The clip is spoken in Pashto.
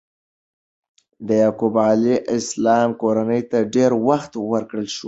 د یعقوب علیه السلام کورنۍ ته ډېر وخت ورکړل شو.